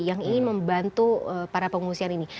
yang ingin membantu para pengungsian ini